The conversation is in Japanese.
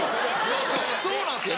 そうなんですよ